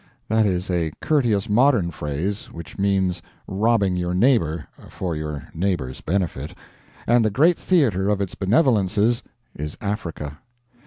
That is a courteous modern phrase which means robbing your neighbor for your neighbor's benefit; and the great theater of its benevolences is Africa.